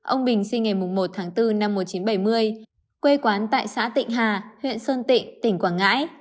ông bình sinh ngày một tháng bốn năm một nghìn chín trăm bảy mươi quê quán tại xã tịnh hà huyện sơn tịnh tỉnh quảng ngãi